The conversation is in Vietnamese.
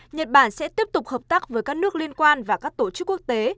nhật bản sẽ tiếp tục hợp tác với các nước liên quan và các tổ chức quốc tế